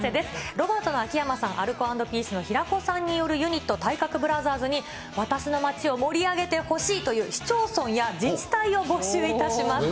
ロバートの秋山さん、アルコ＆ピースの平子さんによるユニット、体格ブラザーズに、私の町を盛り上げてほしいという、市町村や自治体を募集いたします。